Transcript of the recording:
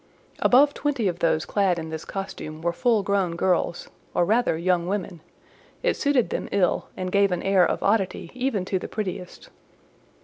Above twenty of those clad in this costume were full grown girls, or rather young women; it suited them ill, and gave an air of oddity even to the prettiest.